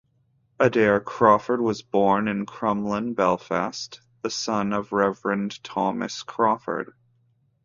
Adair Crawford was born in Crumlin, Belfast The son of Reverend Thomas Crawford.